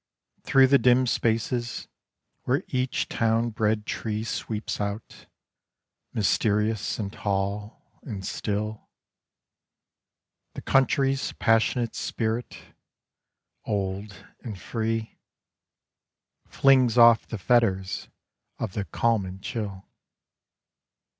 Through the dim spaces, where each town bred tree Sweeps out, mysterious and tall and still The country's passionate spirit— old and free — Flings off the fetters of the calm and chill.